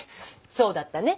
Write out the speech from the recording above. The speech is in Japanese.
そうだったね。